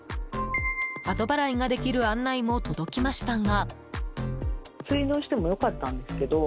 後払いができる案内も届きましたが。